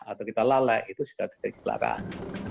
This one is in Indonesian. atau kita lalai itu sudah terjadi kecelakaan